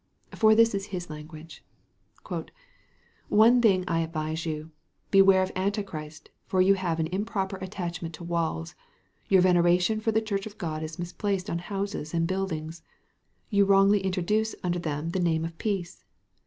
For this is his language: "One thing I advise you beware of Antichrist, for you have an improper attachment to walls; your veneration for the Church of God is misplaced on houses and buildings; you wrongly introduce under them the name of peace.